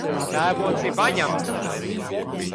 Tēvoci Vaņa!